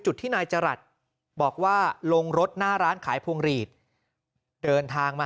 จุดที่นายจรัสบอกว่าลงรถหน้าร้านขายพวงหลีดเดินทางมา